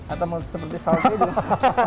atau mau seperti sausnya juga